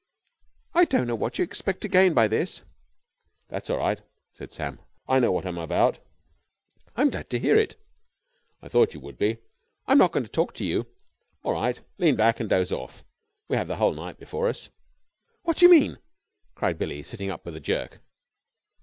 "I don't know what you expect to gain by this." "That's all right," said Sam, "I know what I'm about." "I'm glad to hear it." "I thought you would be." "I'm not going to talk to you." "All right. Lean back and doze off. We've the whole night before us." "What do you mean?" cried Billie, sitting up with a jerk.